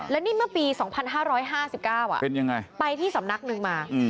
และนี่เมื่อปี๒๕๕๙ไปที่สำนักหนึ่งมา